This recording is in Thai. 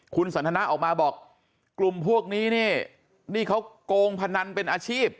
คุณสันทนาออกมาบอกกลุ่มพวกนี้นี่เขาโกงพนันเป็นอาชีพ